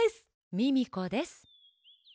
ミミコです！